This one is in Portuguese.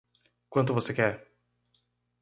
Quanto você quer?